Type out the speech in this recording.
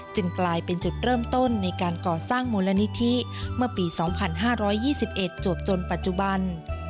กลายเป็นจุดเริ่มต้นในการก่อสร้างมูลนิธิเมื่อปี๒๕๒๑จวบจนปัจจุบัน